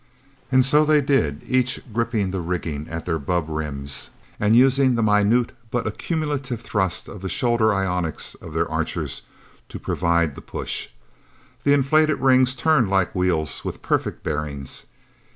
And so they did, each gripping the rigging at their bubb rims, and using the minute but accumulative thrust of the shoulder ionics of their Archers, to provide the push. The inflated rings turned like wheels with perfect bearings.